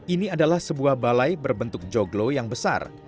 ini adalah sebuah balai berbentuk joglo yang besar